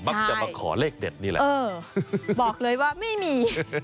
มักจะมาขอเลขเด็ดนี่แหละบอกเลยว่าไม่มี